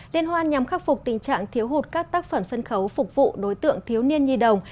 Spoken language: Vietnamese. liên hoan nhằm khắc phục tình trạng thiếu hụt các tác phẩm sân khấu phục vụ đối tượng thiếu niên nhi đồng